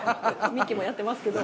ミキもやってますけど。